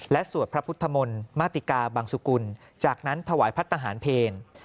และสวดพระพุทธมนต์มาติกาบังสุกุลจากนั้นถวายพัฒนาหารเพล